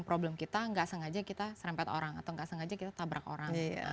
problem kita nggak sengaja kita serempet orang atau nggak sengaja kita tabrak orang